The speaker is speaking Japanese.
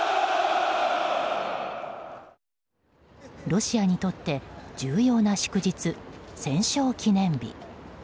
ロシアにとって重要な祝日戦勝記念日。